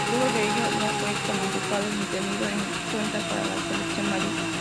Luego de ello no fue convocado ni tenido en cuenta para la selección mayor.